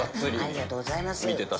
ありがとうございます。